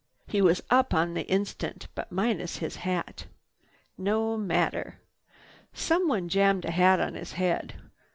He was up on the instant, but minus his hat. No matter. Someone jammed a hat on his head.